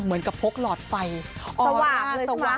เหมือนกระโพกหลอดไฟสวาบเลยใช่ไหม